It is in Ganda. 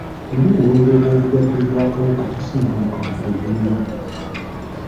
Obumu ku bubonero bw'obulwadde obw'akawuka ka ssennyiga omukambwe bwe buliwa?